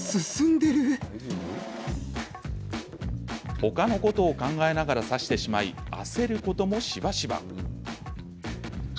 他のことを考えながら指してしまい焦ることもしばしば。